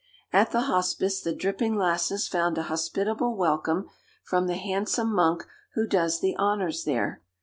At the Hospice the dripping lasses found a hospitable welcome from the handsome monk who does the honours there.